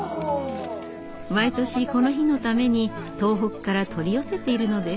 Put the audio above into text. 毎年この日のために東北から取り寄せているのです。